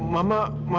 mama mau kemana